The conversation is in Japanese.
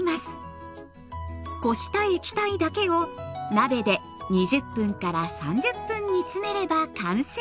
こした液体だけを鍋で２０３０分煮詰めれば完成。